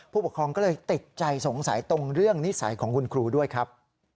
ผู้ปกครองก็เลยติดใจสงสัยตรงเรื่องนิสัยของคุณครูด้วยครับ